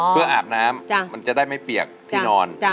เพื่ออาบน้ำมันจะได้ไม่เปียกที่นอน